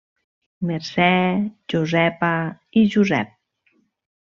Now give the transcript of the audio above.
Mercè, Josepa i Josep.